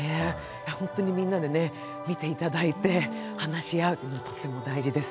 みんなで見ていただいて話し合うのがとても大事です。